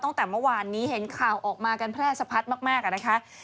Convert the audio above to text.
ตั้งแต่เมื่อวานนี้เห็นข่าวออกมากันแพร่สะพัดมากอะนะคะ